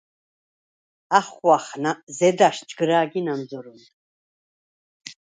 ახღვახ ზედა̈შ ჯგჷრა̄̈გი ნა̈მზჷრუნდ.